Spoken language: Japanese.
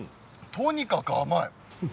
とにかく甘い！